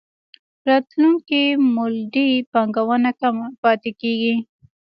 راتلونکې مولدې پانګونه کمه پاتې کېږي.